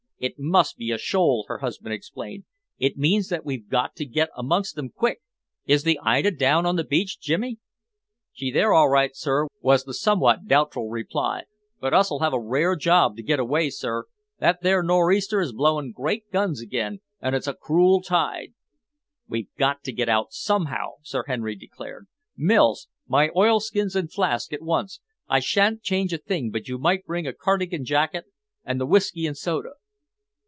"It must be a shoal," her husband explained. "It means that we've got to get amongst them quick. Is the Ida down on the beach, Jimmy?" "She there all right, sir," was the somewhat doubtful reply, "but us'll have a rare job to get away, sir. That there nor'easter is blowing great guns again and it's a cruel tide." "We've got to get out somehow," Sir Henry declared. "Mills, my oilskins and flask at once. I sha'n't change a thing, but you might bring a cardigan jacket and the whisky and soda."